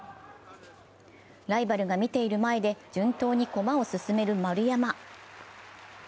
ライバルが見ている前で順当に駒を進める丸山。